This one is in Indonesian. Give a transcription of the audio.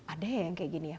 ada yang kayak gini ya